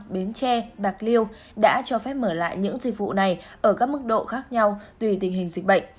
bến tre bạc liêu đã cho phép mở lại những dịch vụ này ở các mức độ khác nhau tùy tình hình dịch bệnh